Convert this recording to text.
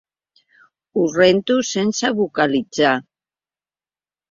Ho rento sense vocalitzar.